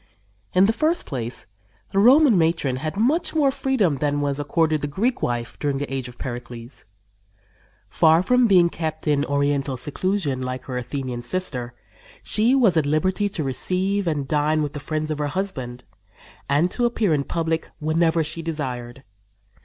In the first place the Roman matron had much more freedom than was accorded the Greek wife during the age of Pericles. Far from being kept in oriental seclusion, like her Athenian sister, she was at liberty to receive and dine with the friends of her husband, and to appear in public whenever she desired.